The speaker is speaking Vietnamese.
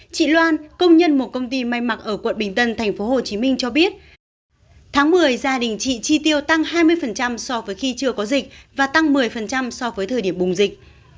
chị loan công nhân một công ty may mặc ở quận bình tân tp hcm cho biết tháng một mươi gia đình chị chi tiêu tăng hai mươi so với khi chưa có dịch và tăng một mươi so với thời điểm bùng dịch